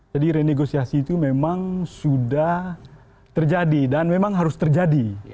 jadi renegosiasi itu memang sudah terjadi dan memang harus terjadi